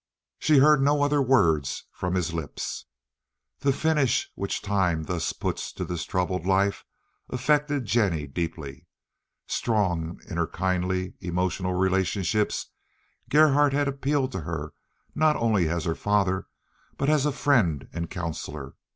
She heard no other words from his lips. The finish which time thus put to this troubled life affected Jennie deeply. Strong in her kindly, emotional relationships, Gerhardt had appealed to her not only as her father, but as a friend and counselor.